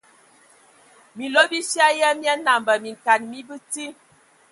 Minlo bifia ya mia nambə minkana mi bəti.